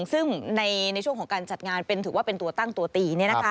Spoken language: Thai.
ซึ่งในช่วงของการจัดงานถือว่าเป็นตัวตั้งตัวตี